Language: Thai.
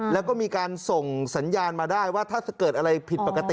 แล้วก็มีการส่งสัญญาณมาได้ว่าถ้าเกิดอะไรผิดปกติ